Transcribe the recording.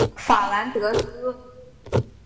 法兰德斯。